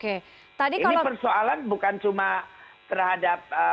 ini persoalan bukan cuma terhadap